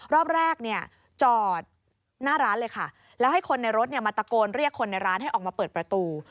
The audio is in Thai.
รอบแรกเนี่ยจอดหน้าร้านเลยค่ะแล้วให้คนในรถมาตะโกนเรียกคนในร้านให้ออกมาเปิดประตู